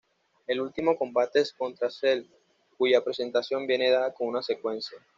El último combate es contra Cell, cuya presentación viene dada con una secuencia.